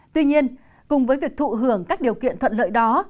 tuy nhiên cùng với việc thụ hưởng các điều kiện thuận lợi đó